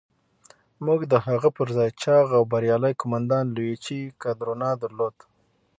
موږ د هغه پر ځای چاغ او بریالی قوماندان لويجي کادورنا درلود.